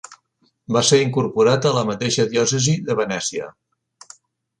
Va ser incorporat a la mateixa diòcesi de Venècia.